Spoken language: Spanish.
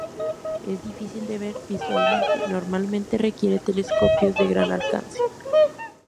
Es difícil de ver visualmente, normalmente requiere telescopios de gran alcance.